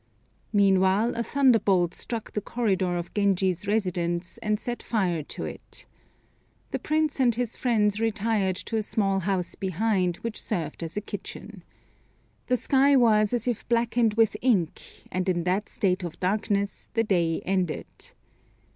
Meanwhile a thunderbolt struck the corridor of Genji's residence and set fire to it. The Prince and his friends retired to a small house behind, which served as a kitchen. The sky was as if blackened with ink, and in that state of darkness the day ended.